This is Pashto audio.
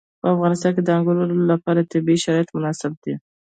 په افغانستان کې د انګور لپاره طبیعي شرایط مناسب دي.